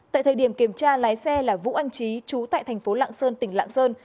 tại thời điểm kiểm tra lái xe là vũ anh trí trú tại thành phố lạng sơn tỉnh lạng sơn